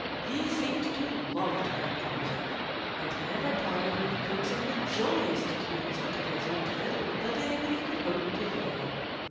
He seemed to love to make music and never tired of coaxing the jolliest tunes out of his old fiddle that anybody could hope to hear.